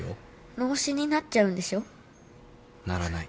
脳死になっちゃうんでしょ？ならない。